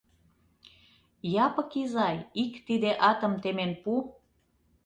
Япык изай, ик тиде атым темен пу!